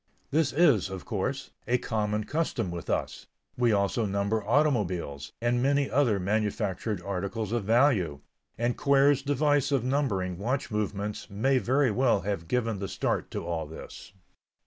This is, of course, a common custom with us; we also number automobiles, and many other manufactured articles of value, and Quare's device of numbering watch movements may very well have given the start to all this.